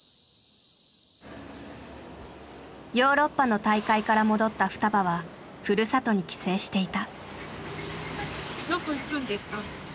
ヨーロッパの大会から戻ったふたばはふるさとに帰省していた。